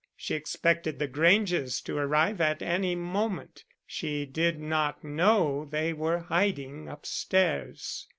She expected the Granges to arrive at any moment; she did not know they were hiding upstairs.